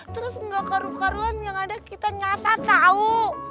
terus gak karu karuan yang ada kita ngasah tau